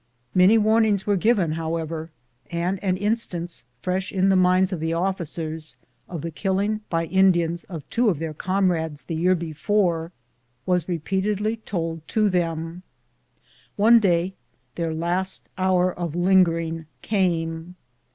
Many warnings were given, however, and an instance, fresh in the minds of the officers, of the killing by Indians of two of their comrades the year before was repeatedly told to tliem. One day their last hour of lingering came.